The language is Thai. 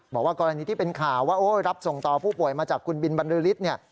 บอกว่ากรณีที่เป็นข่าวว่ารับส่งต่อผู้ป่วยมาจากคุณบินบรรลือฤทธิ์เนี่ย